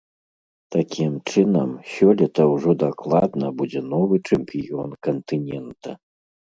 Такім чынам, сёлета ўжо дакладна будзе новы чэмпіён кантынента.